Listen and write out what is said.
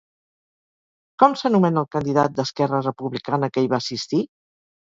Com s'anomena el candidat d'Esquerra Republicana que hi va assistir?